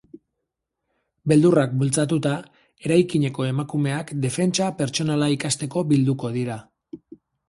Beldurrak bultzatuta, eraikineko emakumeak defentsa pertsonala ikasteko bilduko dira.